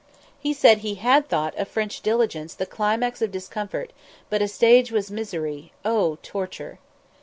He said he had thought a French diligence the climax of discomfort, but a "stage was misery, oh torture!"